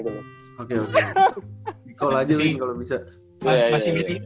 oke oke call aja win kalau bisa